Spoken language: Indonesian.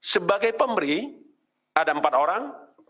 sebagai pemberi ada empat orang